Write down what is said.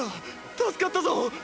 助かったぞ！！